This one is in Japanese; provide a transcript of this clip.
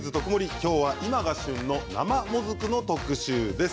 きょうは今が旬の生もずくの特集です。